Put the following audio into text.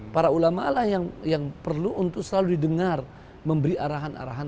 para ulama lah yang perlu untuk selalu didengar memberi arahan arahan